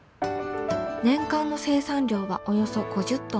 年間の生産量はおよそ５０トン。